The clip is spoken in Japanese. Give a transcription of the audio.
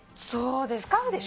そうですね。